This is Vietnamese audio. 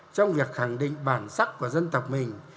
trong việc khẳng định bản sắc của dân tộc mình